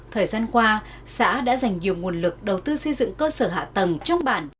thời gian qua xã đã dành nhiều nguồn lực đầu tư xây dựng cơ sở hạ tầng trong bản